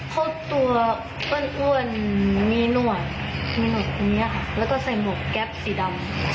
เขาตัวอุ่นมีหน่วงแล้วก็ใส่หมวกแก๊ปสีดำ